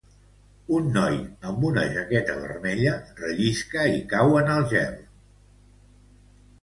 Un noi amb una jaqueta vermella rellisca i cau en el gel.